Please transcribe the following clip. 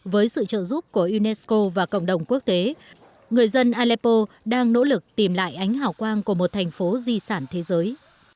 với sự trợ giúp của unesco và cộng đồng quốc tế người dân aleppo đang nỗ lực tìm lại ánh hảo quang của một thành phố di sản thế giới